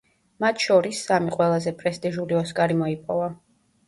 მათ შორის სამი ყველაზე პრესტიჟული „ოსკარი“ მოიპოვა.